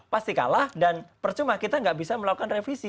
pasti kalah dan percuma kita nggak bisa melakukan revisi